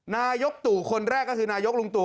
นายกตู่คนแรกก็คือนายกลุงตู่